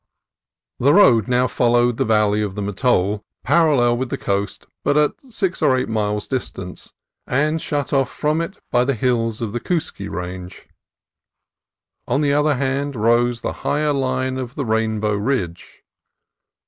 The road now followed the valley of the Mattole, parallel with the coast but at six or eight miles' dis tance, and shut off from it by the hills of the Coos kie Range. On the other hand rose the higher line of the Rainbow Ridge.